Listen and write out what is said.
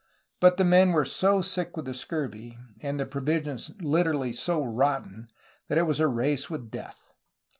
But the men were so sick with the scurvy, and the provisions literally so * ^rotten," that it was a race with death.